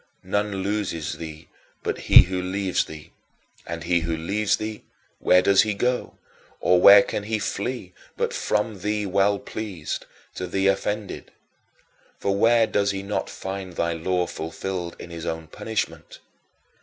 None loses thee but he who leaves thee; and he who leaves thee, where does he go, or where can he flee but from thee well pleased to thee offended? For where does he not find thy law fulfilled in his own punishment?